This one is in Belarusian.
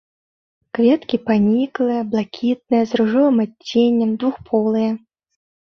Кветкі паніклыя, блакітныя з ружовым адценнем, двухполыя.